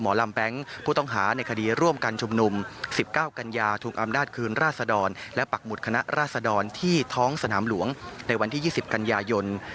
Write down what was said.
ลำแบงค์ผู้ต้องหาในคดีร่วมกันชุมนุม๑๙กันยาถูกอำนาจคืนราษดรและปักหุดคณะราษดรที่ท้องสนามหลวงในวันที่๒๐กันยายน